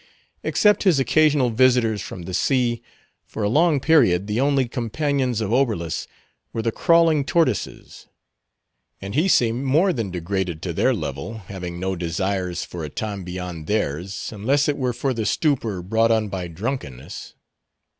Except his occasional visitors from the sea, for a long period, the only companions of Oberlus were the crawling tortoises; and he seemed more than degraded to their level, having no desires for a time beyond theirs, unless it were for the stupor brought on by drunkenness.